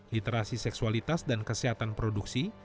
literasi seksualitas dan kesehatan produksi